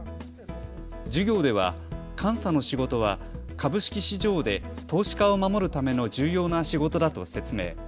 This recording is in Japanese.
授業では監査の仕事は株式市場で投資家を守るための重要な仕事だと説明。